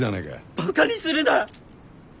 バカにするな！